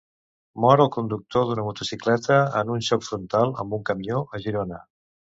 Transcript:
Mor el conductor d'una motocicleta en un xoc frontal amb un camió a Girona.